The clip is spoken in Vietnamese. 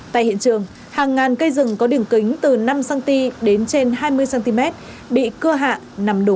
tại hiện trường hàng ngàn cây rừng có đường kính từ năm cm đến trên hai mươi cm bị cưa hạ nằm đổ